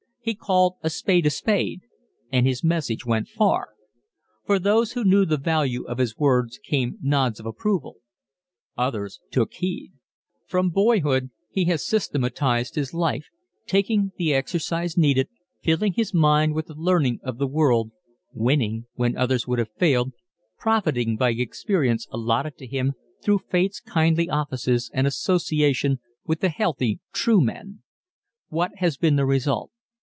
He called a spade a spade and his message went far. From those who knew the value of his words came nods of approval others took heed. From boyhood he has systematized his life, taking the exercise needed, filling his mind with the learning of the world, winning when others would have failed, profiting by experience allotted to him through fate's kindly offices and association with the healthy, true men. What has been the result?